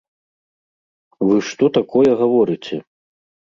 Вы што такое гаворыце!